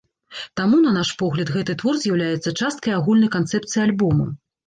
Таму, на наш погляд, гэты твор з'яўляецца часткай агульнай канцэпцыі альбома.